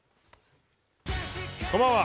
こんばんは。